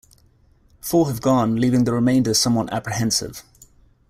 Four have gone, leaving the remainder somewhat apprehensive.